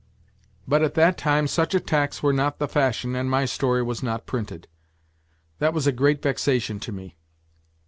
But at that time such attacks were not the fashion and my story was not printed. That was a great vexation to me.